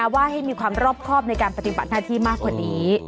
ว่าให้มีความรอบครอบในการปฏิบัติหน้าที่มากกว่านี้